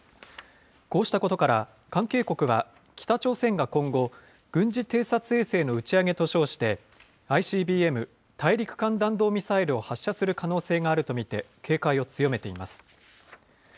こうしたことから、関係国は北朝鮮が今後、軍事偵察衛星の打ち上げと称して、ＩＣＢＭ・大陸間弾道ミサイルを発射する可能性があると見て、警戒を強めています。